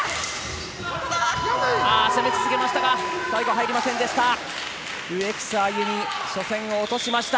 攻め続けましたが最後、入りませんでした。